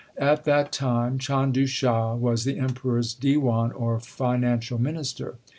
At that time Chandu Shah was the Emperor s Diwan or Financial Minister.